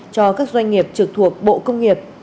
cho các doanh nghiệp trực thuộc bộ công nghiệp